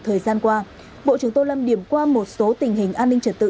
thời gian qua bộ trưởng tô lâm điểm qua một số tình hình an ninh trật tự